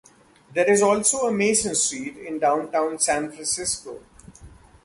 There is also a Mason Street in downtown San Francisco.